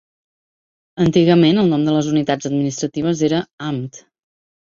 Antigament el nom de les unitats administratives era "Amt".